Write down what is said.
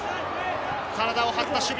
体を張った守備。